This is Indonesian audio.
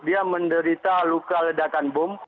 dia menderita luka ledakan bom